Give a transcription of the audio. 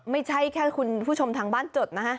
ไม่ใช่แค่คุณผู้ชมทางบ้านจดนะฮะ